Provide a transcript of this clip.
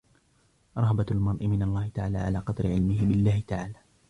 رَهْبَةُ الْمَرْءِ مِنْ اللَّهِ تَعَالَى عَلَى قَدْرِ عِلْمِهِ بِاَللَّهِ تَعَالَى